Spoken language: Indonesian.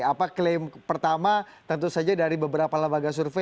apa klaim pertama tentu saja dari beberapa lembaga survei